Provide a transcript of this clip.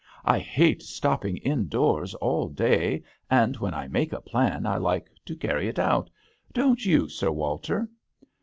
I hate stopping indoors all day, and when I make a plan I like to carry it out, don't you. Sir Walter